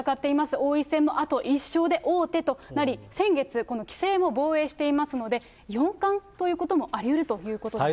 王位戦も、あと１勝で王手となり、先月、この棋聖も防衛していますので、四冠ということもありうるということです。